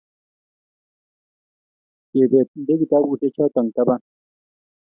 Chebet nde kitapusyek chotok tapan